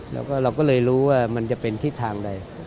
เราก็เลยรู้ว่ามาฆิราธิตทางหลายคน